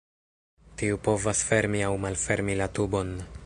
Tiu povas fermi aŭ malfermi la tubon.